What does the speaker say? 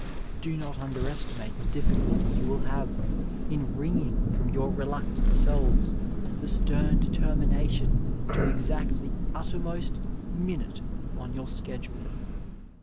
Do not underestimate the difficulty you will have in wringing from your rductant selves the stem determination to exact the uttermost minute on your schedule.